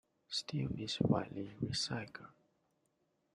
Steel is widely recycled.